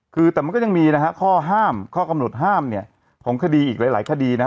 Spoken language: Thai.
คือแต่มันก็ยังมีนะฮะข้อห้ามข้อกำหนดห้ามเนี่ยของคดีอีกหลายคดีนะฮะ